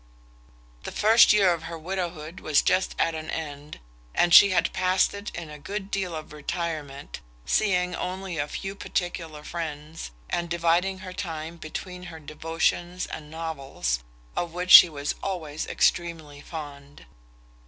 The first year of her widowhood was just at an end, and she had past it in a good deal of retirement, seeing only a few particular friends, and dividing her time between her devotions and novels, of which she was always extremely fond.